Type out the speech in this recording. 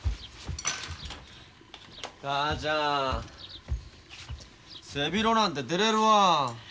母ちゃん背広なんててれるわ。